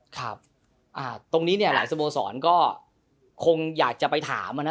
ครับตรงนี้เนี่ยหลายสโมสรก็คงอยากจะไปถาม